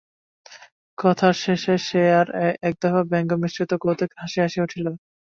কথার শেষে সে আর একদফা ব্যঙ্গমিশ্রিত কৌতুকের হাসি হাসিয়া উঠিল।